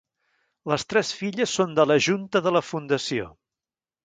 Les tres filles són de la junta de la Fundació.